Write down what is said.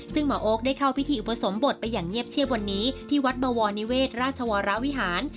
ซึ่งหมอโอ๊คได้เข้าพิธีอุปสมบทไปอย่างเงียบเชียบวันนี้ที่วัดบวรนิเวศราชวรวิหาร